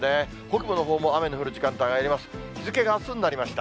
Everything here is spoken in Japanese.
北部のほうも雨の降る時間帯があります。